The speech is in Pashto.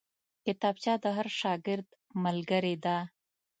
کتابچه د هر شاګرد ملګرې ده